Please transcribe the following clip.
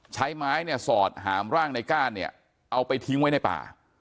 ใช้ไม้เนี่ยสอดหามร่างในก้านเนี่ยเอาไปทิ้งไว้ในป่า